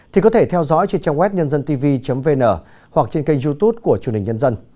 thì có thể theo dõi trên trang web nhân dân tivi vn hoặc trên kênh youtube của truyền hình nhân dân